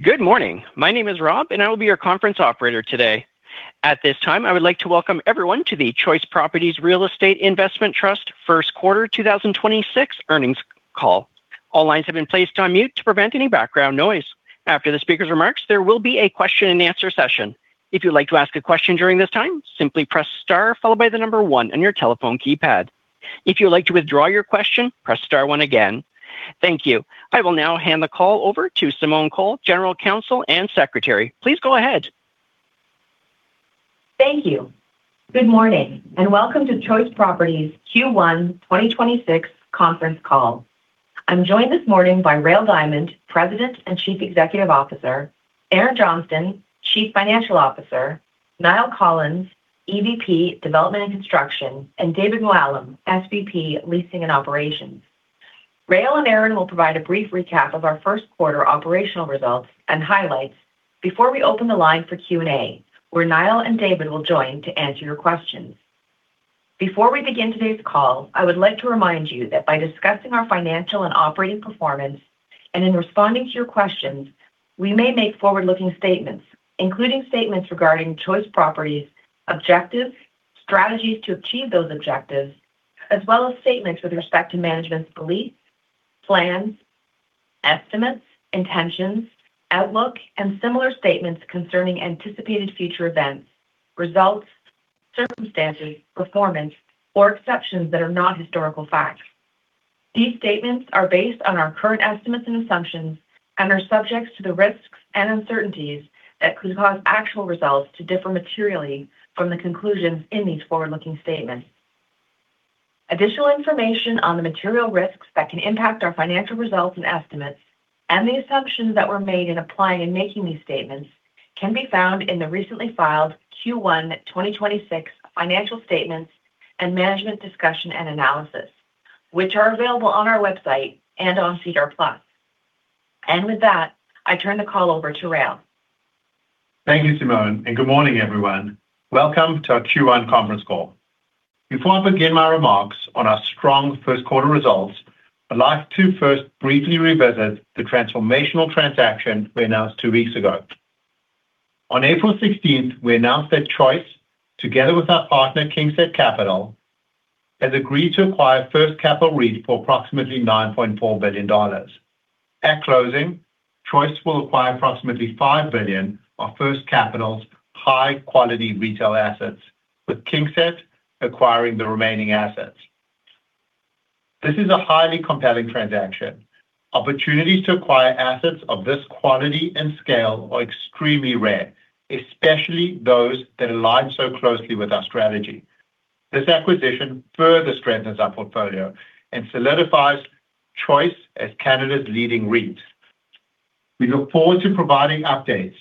Good morning. My name is Rob and I will be your conference operator today. At this time, I would like to welcome everyone to the Choice Properties Real Estate Investment Trust first quarter 2026 earnings call. All lines have been placed on mute to prevent any background noise. After the speaker's remarks, there will be a question-and-answer session. If you'd like to ask a question during this time, simply press star followed by the number one on your telephone keypad. If you would like to withdraw your question, press star one again. Thank you. I will now hand the call over to Simone Cole, General Counsel and Secretary. Please go ahead. Thank you. Good morning and welcome to Choice Properties Q1 2026 conference call. I'm joined this morning by Rael Diamond, President and Chief Executive Officer, Erin Johnston, Chief Financial Officer, Niall Collins, EVP, Development and Construction, and David Muallim, SVP, Leasing and Operations. Rael and Erin will provide a brief recap of our first quarter operational results and highlights before we open the line for Q&A, where Niall and David will join to answer your questions. Before we begin today's call, I would like to remind you that by discussing our financial and operating performance and in responding to your questions, we may make forward-looking statements, including statements regarding Choice Properties objectives, strategies to achieve those objectives, as well as statements with respect to management's beliefs, plans, estimates, intentions, outlook, and similar statements concerning anticipated future events, results, circumstances, performance, or exceptions that are not historical facts. These statements are based on our current estimates and assumptions and are subject to the risks and uncertainties that could cause actual results to differ materially from the conclusions in these forward-looking statements. Additional information on the material risks that can impact our financial results and estimates and the assumptions that were made in applying and making these statements can be found in the recently filed Q1 2026 financial statements and Management Discussion and Analysis, which are available on our website and on SEDAR+. With that, I turn the call over to Rael. Thank you, Simone, and good morning, everyone. Welcome to our Q1 conference call. Before I begin my remarks on our strong first quarter results, I'd like to first briefly revisit the transformational transaction we announced 2 weeks ago. On April 16th, we announced that Choice, together with our partner KingSett Capital, has agreed to acquire First Capital REIT for approximately 9.4 billion dollars. At closing, Choice will acquire approximately 5 billion of First Capital's high-quality retail assets, with KingSett acquiring the remaining assets. This is a highly compelling transaction. Opportunities to acquire assets of this quality and scale are extremely rare, especially those that align so closely with our strategy. This acquisition further strengthens our portfolio and solidifies Choice as Canada's leading REIT. We look forward to providing updates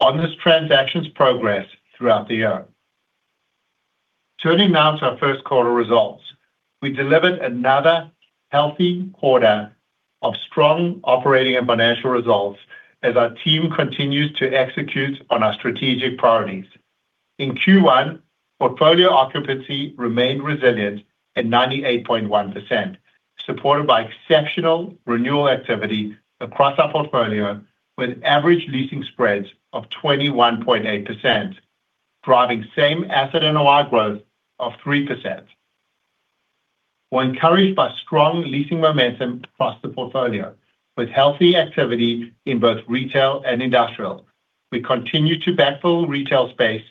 on this transaction's progress throughout the year. Turning now to our first quarter results. We delivered another healthy quarter of strong operating and financial results as our team continues to execute on our strategic priorities. In Q1, portfolio occupancy remained resilient at 98.1%, supported by exceptional renewal activity across our portfolio with average leasing spreads of 21.8%, driving same asset NOI growth of 3%. We're encouraged by strong leasing momentum across the portfolio with healthy activity in both retail and industrial. We continue to backfill retail space,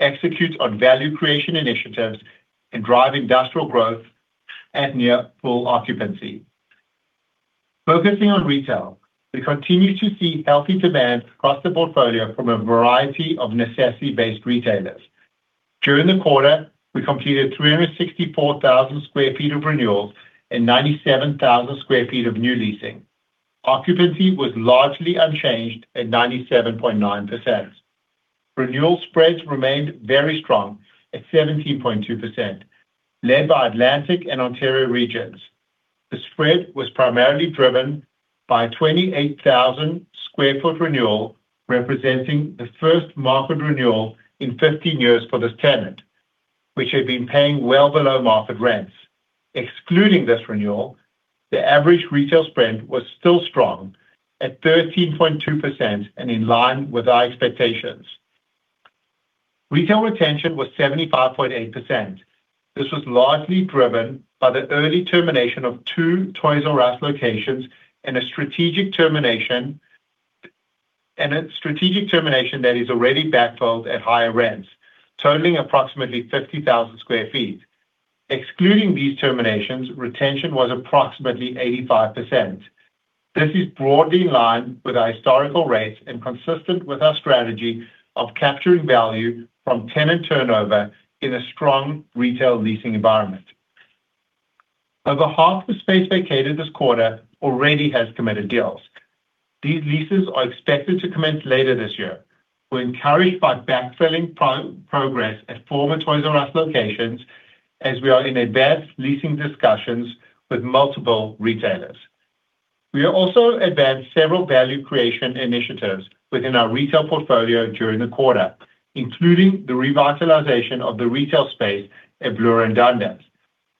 execute on value creation initiatives, and drive industrial growth at near full occupancy. Focusing on retail, we continue to see healthy demand across the portfolio from a variety of necessity-based retailers. During the quarter, we completed 364 sq ft of renewals and 97,000 sq ft of new leasing. Occupancy was largely unchanged at 97.9%. Renewal spreads remained very strong at 17.2%, led by Atlantic and Ontario regions. The spread was primarily driven by a 28,000 sq ft renewal, representing the first market renewal in 15 years for this tenant, which had been paying well below market rents. Excluding this renewal, the average retail spread was still strong at 13.2% and in line with our expectations. Retail retention was 75.8%. This was largely driven by the early termination of two Toys"R"Us locations and a strategic termination that is already backfilled at higher rents, totaling approximately 50,000 sq ft. Excluding these terminations, retention was approximately 85%. This is broadly in line with our historical rates and consistent with our strategy of capturing value from tenant turnover in a strong retail leasing environment. Over half the space vacated this quarter already has committed deals. These leases are expected to commence later this year. We're encouraged by backfilling pro-progress at former Toys "R" Us locations as we are in advanced leasing discussions with multiple retailers. We have also advanced several value creation initiatives within our retail portfolio during the quarter, including the revitalization of the retail space at Bloor and Dundas.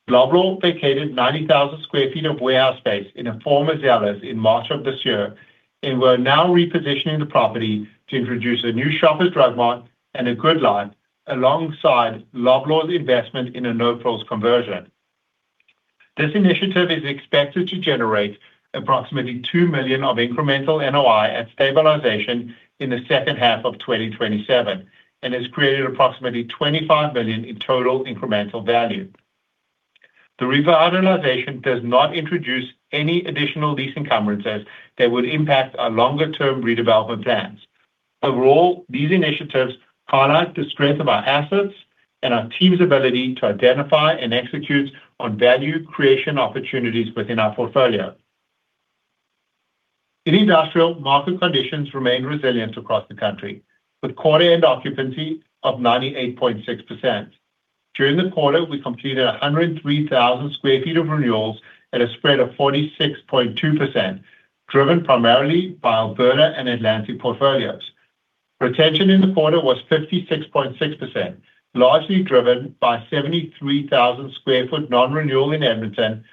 Loblaw vacated 90,000 sq ft of warehouse space in a former Zehrs in March of this year, and we're now repositioning the property to introduce a new Shoppers Drug Mart and a GoodLife alongside Loblaw's investment in a No Frills conversion. This initiative is expected to generate approximately 2 million of incremental NOI at stabilization in the second half of 2027 and has created approximately 25 million in total incremental value. The revitalization does not introduce any additional lease encumbrances that would impact our longer-term redevelopment plans. Overall, these initiatives highlight the strength of our assets and our team's ability to identify and execute on value creation opportunities within our portfolio. In industrial, market conditions remained resilient across the country, with quarter end occupancy of 98.6%. During the quarter, we completed 103,000 sq ft of renewals at a spread of 46.2%, driven primarily by Alberta and Atlantic portfolios. Retention in the quarter was 56.6%, largely driven by 73,000 sq ft non-renewal in Edmonton,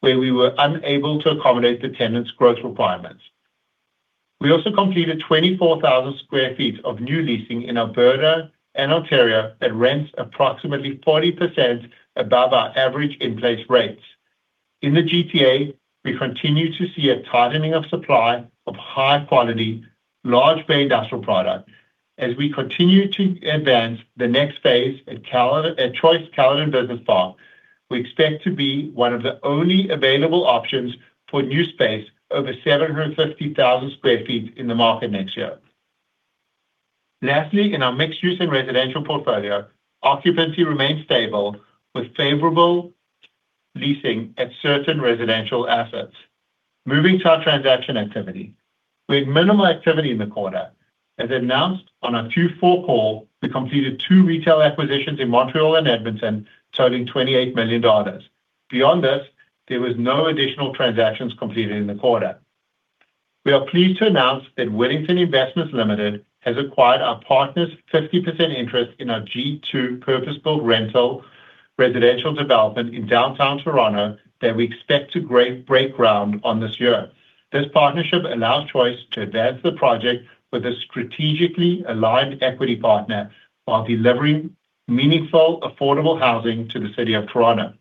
where we were unable to accommodate the tenant's growth requirements. We also completed 24,000 sq ft of new leasing in Alberta and Ontario at rents approximately 40% above our average in-place rates. In the GTA, we continue to see a tightening of supply of high-quality, large bay industrial product. As we continue to advance the next phase at Choice Caledon Business Park, we expect to be one of the only available options for new space over 750,000 sq ft in the market next year. Lastly, in our mixed-use and residential portfolio, occupancy remained stable with favorable leasing at certain residential assets. Moving to our transaction activity. We had minimal activity in the quarter. As announced on our Q4 call, we completed two retail acquisitions in Montreal and Edmonton, totaling 28 million dollars. Beyond this, there were no additional transactions completed in the quarter. We are pleased to announce that Wittington Investments Limited has acquired our partner's 50% interest in our G2 purpose-built rental residential development in downtown Toronto that we expect to break ground on this year. This partnership allows Choice Properties to advance the project with a strategically aligned equity partner while delivering meaningful, affordable housing to the city of Toronto.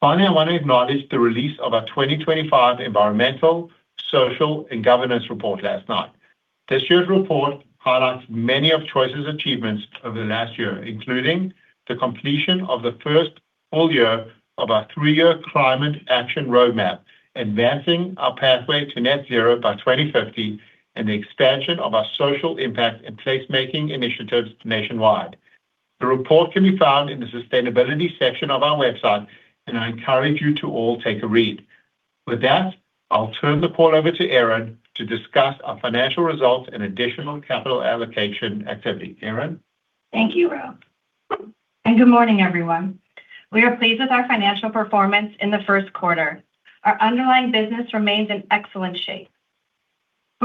Finally, I want to acknowledge the release of our 2025 Environmental, Social, and Governance report last night. This year's report highlights many of Choice Properties' achievements over the last year, including the completion of the first full year of our 3-year climate action roadmap, advancing our pathway to net zero by 2050, and the expansion of our social impact and placemaking initiatives nationwide. The report can be found in the Sustainability section of our website, and I encourage you to all take a read. With that, I'll turn the call over to Erin to discuss our financial results and additional capital allocation activity. Erin? Thank you, Rael, and good morning, everyone. We are pleased with our financial performance in the first quarter. Our underlying business remains in excellent shape.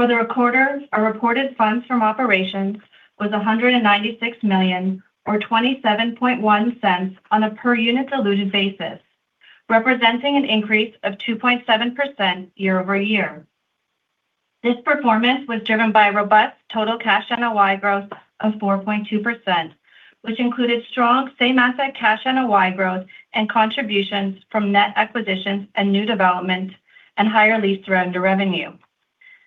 For the quarter, our reported funds from operations was 196 million or 0.271 on a per-unit diluted basis, representing an increase of 2.7% year-over-year. This performance was driven by robust total cash NOI growth of 4.2%, which included strong same asset cash NOI growth and contributions from net acquisitions and new development and higher lease surrender revenue.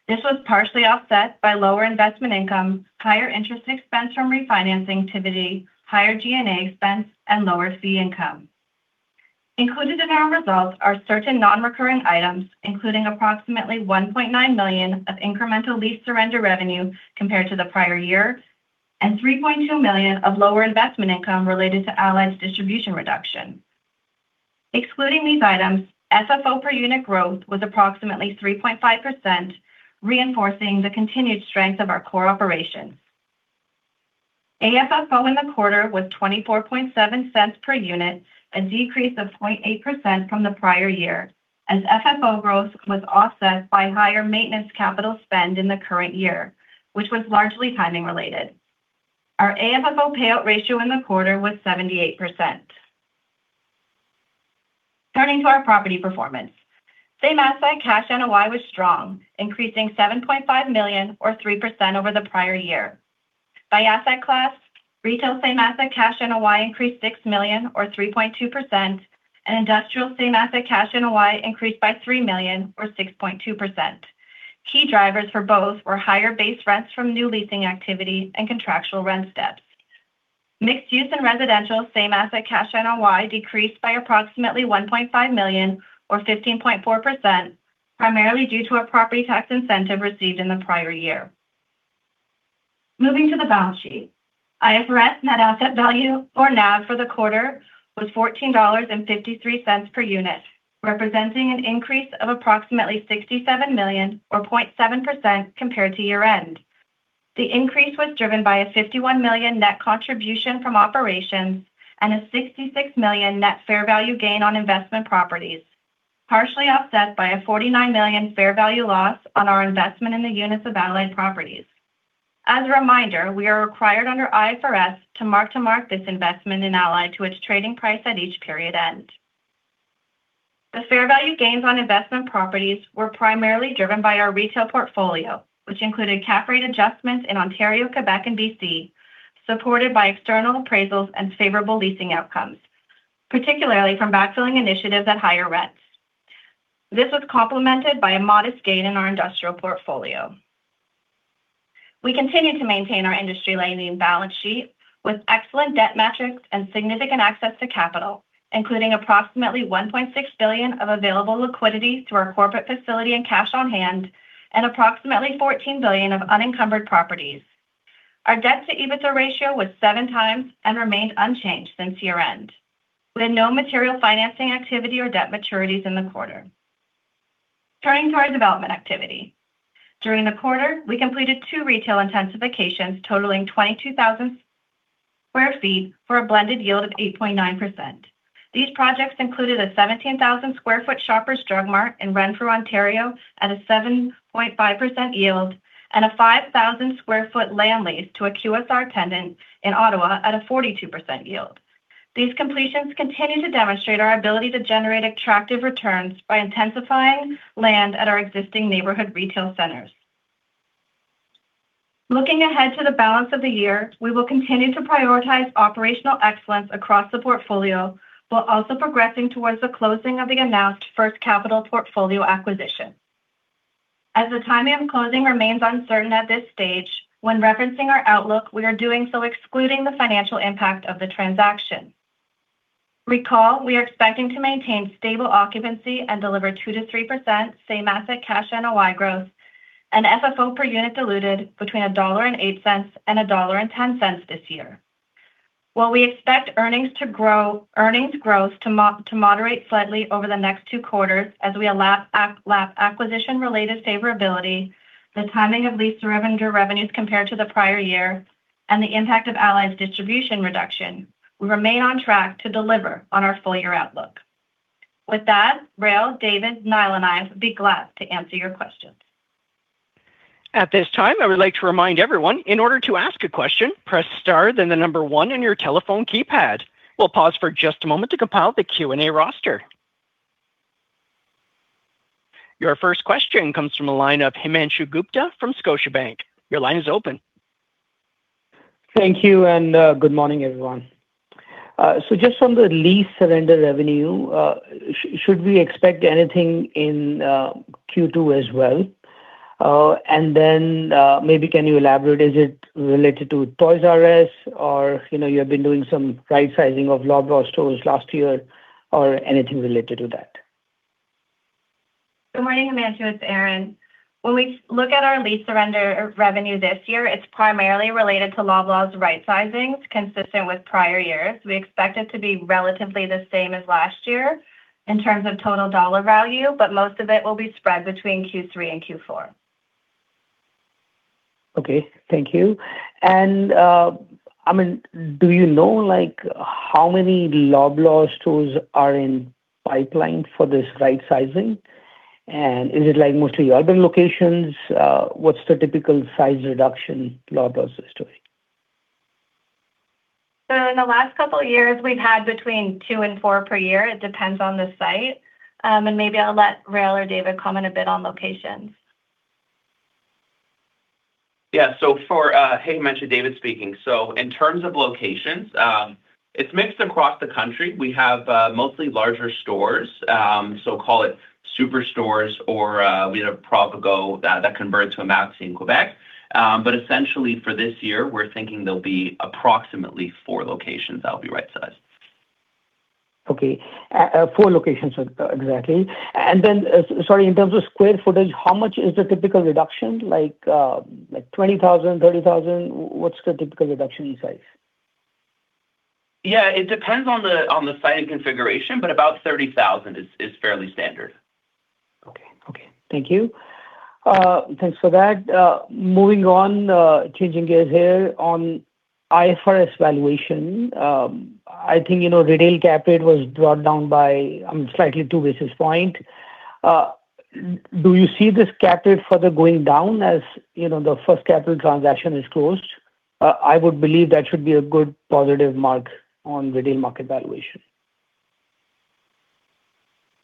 This was partially offset by lower investment income, higher interest expense from refinancing activity, higher G&A expense, and lower fee income. Included in our results are certain non-recurring items, including approximately 1.9 million of incremental lease surrender revenue compared to the prior year and 3.2 million of lower investment income related to Allied's distribution reduction. Excluding these items, FFO per unit growth was approximately 3.5%, reinforcing the continued strength of our core operations. AFFO in the quarter was 0.247 per unit, a decrease of 0.8% from the prior year as FFO growth was offset by higher maintenance capital spend in the current year, which was largely timing related. Our AFFO payout ratio in the quarter was 78%. Turning to our property performance. Same asset cash NOI was strong, increasing 7.5 million or 3% over the prior year. By asset class, retail same asset cash NOI increased 6 million or 3.2%, and industrial same asset cash NOI increased by 3 million or 6.2%. Key drivers for both were higher base rents from new leasing activity and contractual rent steps. Mixed-use and residential same asset cash NOI decreased by approximately 1.5 million or 15.4%, primarily due to a property tax incentive received in the prior year. Moving to the balance sheet. IFRS net asset value or NAV for the quarter was 14.53 dollars per unit, representing an increase of approximately 67 million or 0.7% compared to year end. The increase was driven by a 51 million net contribution from operations and a 66 million net fair value gain on investment properties, partially offset by a 49 million fair value loss on our investment in the units of Allied Properties. As a reminder, we are required under IFRS to mark to mark this investment in Allied to its trading price at each period end. The fair value gains on investment properties were primarily driven by our retail portfolio, which included cap rate adjustments in Ontario, Quebec and B.C., supported by external appraisals and favorable leasing outcomes, particularly from backfilling initiatives at higher rents. This was complemented by a modest gain in our industrial portfolio. We continue to maintain our industry-leading balance sheet with excellent debt metrics and significant access to capital, including approximately 1.6 billion of available liquidity through our corporate facility and cash on hand and approximately 14 billion of unencumbered properties. Our debt to EBITDA ratio was 7x and remained unchanged since year-end, with no material financing activity or debt maturities in the quarter. Turning to our development activity. During the quarter, we completed two retail intensifications totaling 22,000 sq ft for a blended yield of 8.9%. These projects included a 17,000 sq ft Shoppers Drug Mart in Renfrew, Ontario at a 7.5% yield and a 5,000 sq ft land lease to a QSR tenant in Ottawa at a 42% yield. These completions continue to demonstrate our ability to generate attractive returns by intensifying land at our existing neighborhood retail centers. Looking ahead to the balance of the year, we will continue to prioritize operational excellence across the portfolio while also progressing towards the closing of the announced First Capital portfolio acquisition. As the timing of closing remains uncertain at this stage, when referencing our outlook, we are doing so excluding the financial impact of the transaction. Recall, we are expecting to maintain stable occupancy and deliver 2%-3% same asset cash NOI growth and FFO per unit diluted between CAD 1.08 and 1.10 dollar this year. While we expect earnings growth to moderate slightly over the next two quarters as we lap acquisition-related favorability, the timing of lease surrender revenues compared to the prior year, and the impact of Allied's distribution reduction, we remain on track to deliver on our full year outlook. With that, Rael, David, Niall, and I would be glad to answer your questions. At this time, I would like to remind everyone, in order to ask a question, press star then the number one on your telephone keypad. We'll pause for just a moment to compile the Q&A roster. Your first question comes from the line of Himanshu Gupta from Scotiabank. Your line is open. Thank you, good morning, everyone. Just on the lease surrender revenue, should we expect anything in Q2 as well? Then, maybe can you elaborate, is it related to Toys "R" Us or, you know, you have been doing some right sizing of Loblaw stores last year or anything related to that? Good morning, Himanshu. It's Erin. When we look at our lease surrender revenue this year, it's primarily related to Loblaws right sizings consistent with prior years. We expect it to be relatively the same as last year in terms of total dollar value, but most of it will be spread between Q3 and Q4. Okay. Thank you. I mean, you know, like, how many Loblaw stores are in pipeline for this right sizing? Is it like mostly urban locations? What's the typical size reduction Loblaw Companies Limited is doing? In the last couple of years, we've had between 2 and 4 per year. It depends on the site. Maybe I'll let Rael or David comment a bit on locations. Yeah. Hey, Himanshu. David speaking. In terms of locations, it's mixed across the country. We have mostly larger stores, call it superstores or we had a Provigo that converted to a Maxi in Quebec. Essentially for this year, we're thinking there'll be approximately four locations that'll be right sized. Okay. Four locations exactly. Sorry, in terms of square footage, how much is the typical reduction? Like, like 20,000, 30,000? What's the typical reduction in size? Yeah, it depends on the, on the site and configuration, but about 30,000 is fairly standard. Okay. Okay. Thank you. Thanks for that. Moving on, changing gears here on IFRS valuation. I think, you know, retail cap rate was brought down by slightly 2 basis points. Do you see this cap rate further going down as, you know, the First Capital transaction is closed? I would believe that should be a good positive mark on retail market valuation.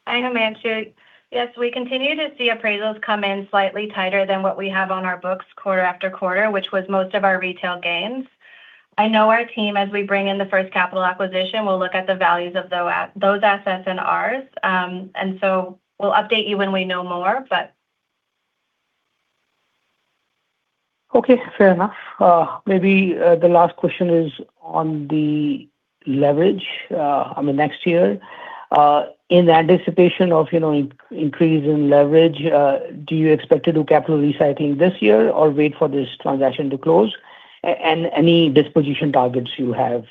Hi, Himanshu. Yes, we continue to see appraisals come in slightly tighter than what we have on our books quarter-after-quarter, which was most of our retail gains. I know our team, as we bring in the First Capital acquisition, will look at the values of those assets and ours. We'll update you when we know more. Okay, fair enough. Maybe the last question is on the leverage, I mean, next year. In anticipation of, you know, increase in leverage, do you expect to do capital recycling this year or wait for this transaction to close? Any disposition targets you have,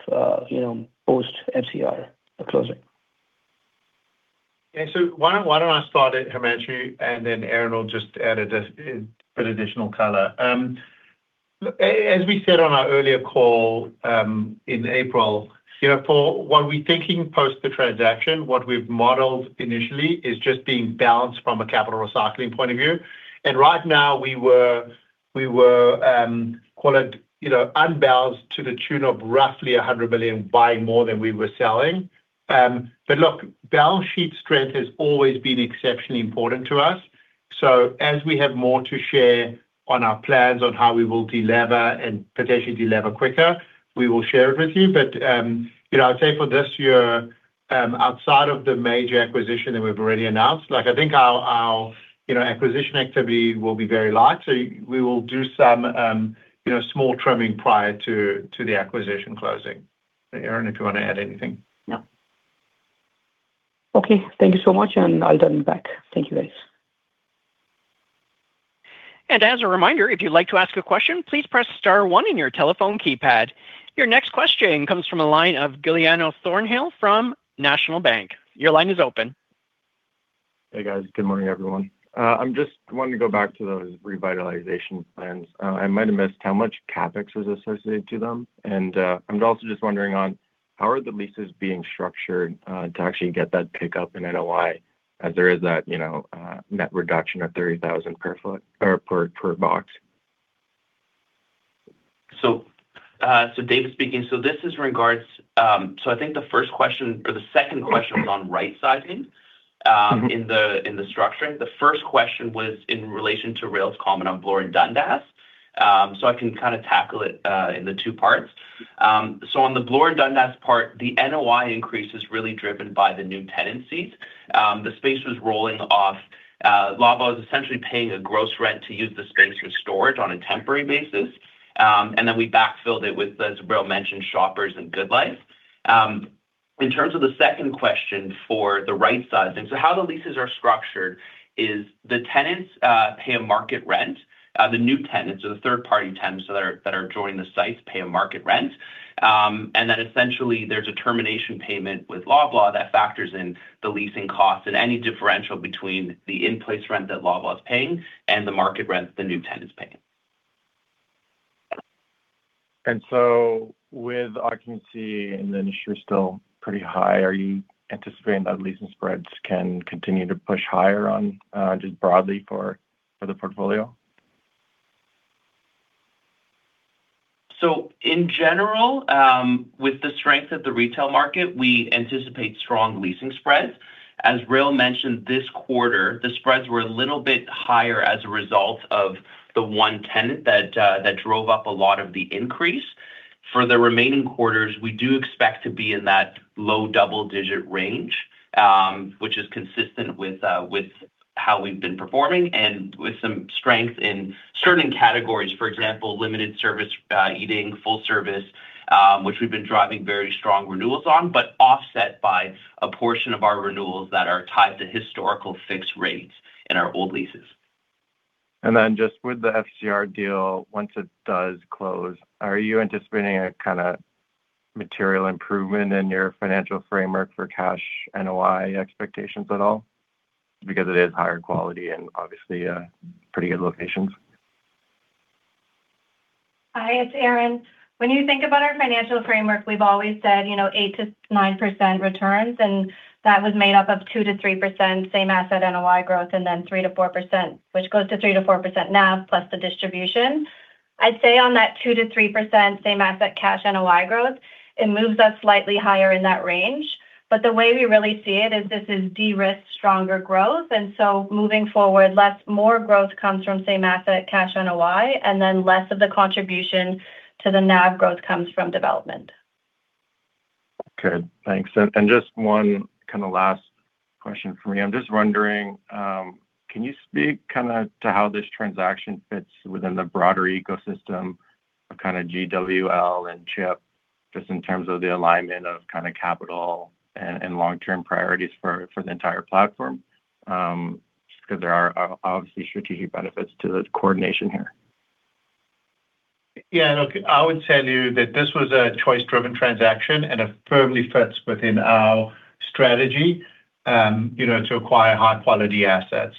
you know, post FCR closing? Okay. Why don't I start it, Himanshu, and then Erin will just add additional color. Look, as we said on our earlier call, in April, you know, for what we're thinking post the transaction, what we've modeled initially is just being balanced from a capital recycling point of view. Right now we were, you know, unbalanced to the tune of roughly 100 million, buying more than we were selling. Look, balance sheet strength has always been exceptionally important to us. As we have more to share on our plans on how we will delever and potentially delever quicker, we will share it with you. I would say for this year, outside of the major acquisition that we've already announced, like, I think our, you know, acquisition activity will be very light. We will do some, you know, small trimming prior to the acquisition closing. Erin, if you want to add anything. No. Okay. Thank you so much, and I'll turn it back. Thank you, guys. As a reminder, if you'd like to ask a question, please press star one on your telephone keypad. Your next question comes from the line of Giuliano Thornhill from National Bank. Your line is open. Hey, guys. Good morning, everyone. I'm just wanting to go back to those revitalization plans. I might have missed how much CapEx was associated to them. I'm also just wondering on how are the leases being structured to actually get that pickup in NOI as there is that, you know, net reduction of 30,000 per foot or per box? David speaking. This is regards, I think the first question or the second question was on right-sizing, in the, in the structuring. The first question was in relation to Rael's comment on Bloor and Dundas. I can kind of tackle it in the two parts. On the Bloor and Dundas part, the NOI increase is really driven by the new tenancies. The space was rolling off. Loblaw was essentially paying a gross rent to use the space for storage on a temporary basis. We backfilled it with, as Rael mentioned, Shoppers and GoodLife. In terms of the second question for the right sizing, how the leases are structured is the tenants pay a market rent. The new tenants or the third-party tenants that are joining the sites pay a market rent. Essentially, there's a termination payment with Loblaw that factors in the leasing cost and any differential between the in-place rent that Loblaw is paying and the market rent the new tenant is paying. With occupancy in the industry still pretty high, are you anticipating that leasing spreads can continue to push higher on, just broadly for the portfolio? In general, with the strength of the retail market, we anticipate strong leasing spreads. As Rael mentioned this quarter, the spreads were a little bit higher as a result of the one tenant that drove up a lot of the increase. For the remaining quarters, we do expect to be in that low double-digit range, which is consistent with how we've been performing and with some strength in certain categories. For example, limited service eating, full service, which we've been driving very strong renewals on, but offset by a portion of our renewals that are tied to historical fixed rates in our old leases. Then just with the FCR deal, once it does close, are you anticipating a kinda material improvement in your financial framework for cash NOI expectations at all? Because it is higher quality and obviously, pretty good locations. Hi, it's Erin. When you think about our financial framework, we've always said, you know, 8%-9% returns, and that was made up of 2%-3% same asset NOI growth and then 3%-4%, which goes to 3%-4% NAV plus the distribution. I'd say on that 2%-3% same asset cash NOI growth, it moves us slightly higher in that range. The way we really see it is this is de-risk stronger growth. Moving forward, more growth comes from same asset cash NOI, and then less of the contribution to the NAV growth comes from development. Okay, thanks. Just one kinda last question from me. I'm just wondering, can you speak kinda to how this transaction fits within the broader ecosystem of kinda GWL and CHP, just in terms of the alignment of kinda capital and long-term priorities for the entire platform? Just 'cause there are obviously strategic benefits to the coordination here. Yeah, look, I would tell you that this was a choice-driven transaction and it firmly fits within our strategy, you know, to acquire high-quality assets.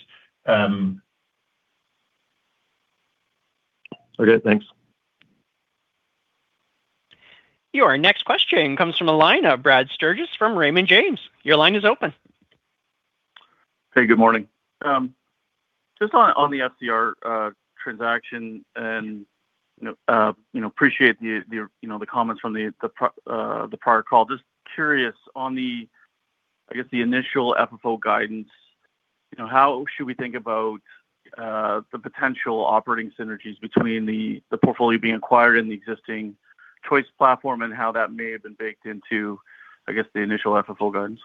Okay, thanks. Your next question comes from the line of Brad Sturges from Raymond James. Your line is open. Hey, good morning. Just on the FCR transaction and, you know, appreciate the, you know, the comments from the prior call. Just curious on the, I guess, the initial FFO guidance, you know, how should we think about the potential operating synergies between the portfolio being acquired and the existing Choice platform and how that may have been baked into, I guess, the initial FFO guidance?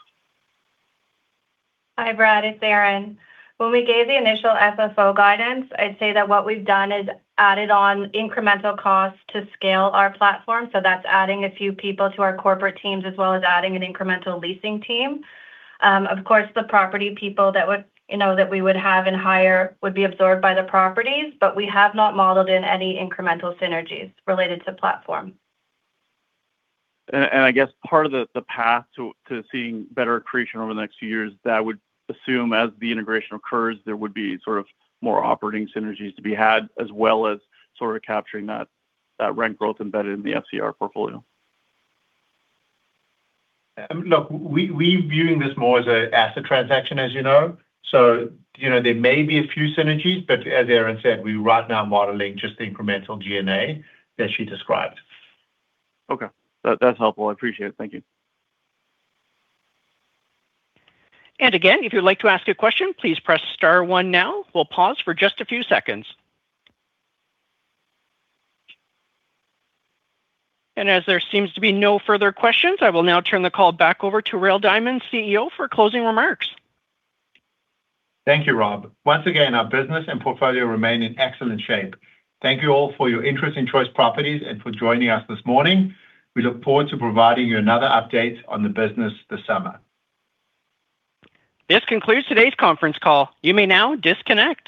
Hi, Brad. It's Erin. When we gave the initial FFO guidance, I'd say that what we've done is added on incremental costs to scale our platform. That's adding a few people to our corporate teams as well as adding an incremental leasing team. Of course, the property people that would, you know, that we would have and hire would be absorbed by the properties, we have not modeled in any incremental synergies related to platform. I guess part of the path to seeing better accretion over the next few years, that would assume as the integration occurs, there would be sort of more operating synergies to be had as well as sort of capturing that rent growth embedded in the FCR portfolio. Look, we're viewing this more as an asset transaction, as you know. You know, there may be a few synergies, but as Erin said, we right now are modeling just the incremental G&A that she described. Okay. That's helpful. I appreciate it. Thank you. Again, if you'd like to ask a question, please press star one now. We'll pause for just a few seconds. As there seems to be no further questions, I will now turn the call back over to Rael Diamond, CEO, for closing remarks. Thank you, Rob. Once again, our business and portfolio remain in excellent shape. Thank you all for your interest in Choice Properties and for joining us this morning. We look forward to providing you another update on the business this summer. This concludes today's conference call. You may now disconnect.